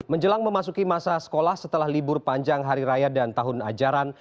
menjelang memasuki masa sekolah setelah libur panjang hari raya dan tahun ajaran